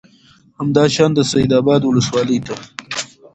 همدا شان د سید آباد ولسوالۍ ته